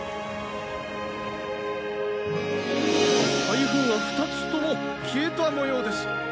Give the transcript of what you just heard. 「台風は２つとも消えたもようです」